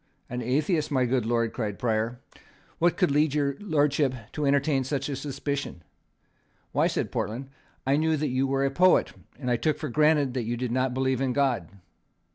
"An atheist, my good lord!" cried Prior. "What could lead your Lordship to entertain such a suspicion?" "Why," said Portland, "I knew that you were a poet; and I took it for granted that you did not believe in God."